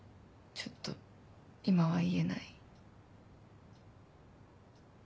ちょっと今は言えない。